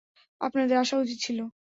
আপনাদের আসা উচিৎ ছিল।